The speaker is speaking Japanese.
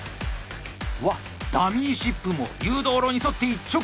わっダミーシップも誘導路に沿って一直線です。